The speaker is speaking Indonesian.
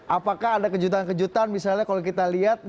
apakah ada kejutan kejutan misalnya kalau kita lihat